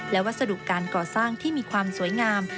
และวัสดุการก่อสร้างที่มีความสวยงาม